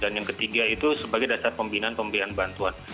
dan yang ketiga itu sebagai dasar pembinaan pembinaan bantuan